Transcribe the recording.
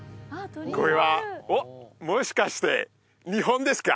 これはおっもしかして日本ですか？